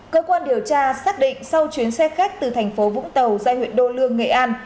cơ quan điều tra xác định sau chuyến xe khách từ thành phố vũng tàu ra huyện đô lương nghệ an